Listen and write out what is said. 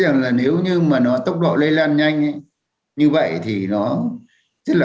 nếu biến thể lây lan nhanh hơn nguy cơ tái nhiễm cao hơn các biến chủng delta